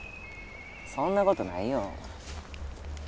そんなことないよ